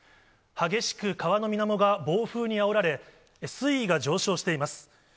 激しく川のみなもが暴風にあおられ、水位が上昇しています。